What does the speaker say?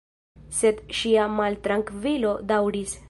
Sed ŝia maltrankvilo daŭris.